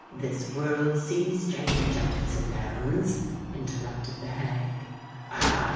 this world sees strange ups and downs!" interrupted the hag. "Ah!